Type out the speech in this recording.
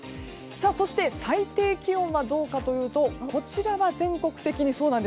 そして最低気温はどうかというとこちらは全国的に。